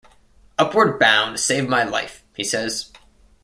"Upward Bound saved my life," he says.